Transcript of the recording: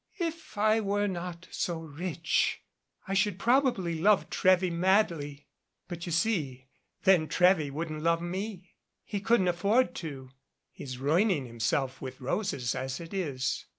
"If I were not so rich, I should probably love Trewy madly. But, you see, then Trewy wouldn't love me. He couldn't afford to. He's ruining himself with roses as it is.